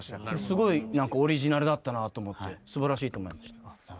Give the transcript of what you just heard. すごいオリジナルだったなと思ってすばらしいと思いました。